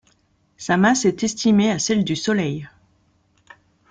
Sa masse est estimée à celle du Soleil.